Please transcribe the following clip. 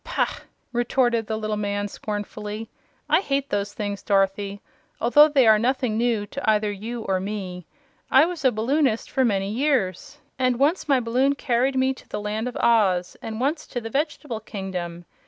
Pah!" retorted the little man, scornfully. "I hate those things, Dorothy, although they are nothing new to either you or me. I was a balloonist for many years, and once my balloon carried me to the Land of Oz, and once to the Vegetable Kingdom.